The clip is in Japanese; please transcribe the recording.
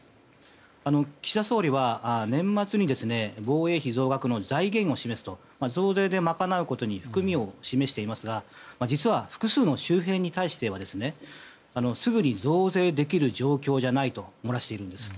岸田総理は年末に防衛費増額の財源を示すと増税で賄うことに含みを示していますが実は複数の周辺に対してはすぐに増税できる状況じゃないと漏らしているんです。